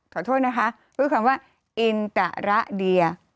ขอโทษนะคะพูดคำว่าอินตะระเดีย